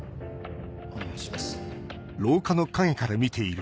お願いします